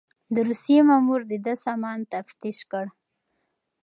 د روسيې مامور د ده سامان تفتيش کړ.